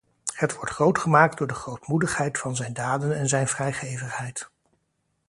Het wordt groot gemaakt door de grootmoedigheid van zijn daden en zijn vrijgevigheid.